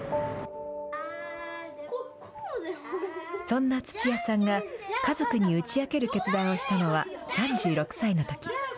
そんな土屋さんが、家族に打ち明ける決断をしたのは、３６歳のとき。